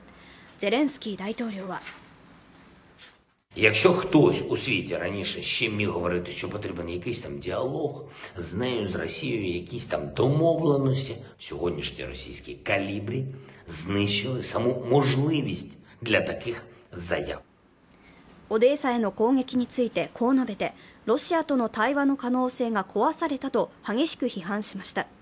ゼレンスキー大統領はオデーサへの攻撃についてこう述べてロシアとの対話の可能性が壊されたと激しく批判しました。